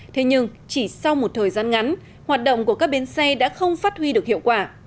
thế nhưng chỉ sau một thời gian ngắn hoạt động của các bến xe đã không phát huy được hiệu quả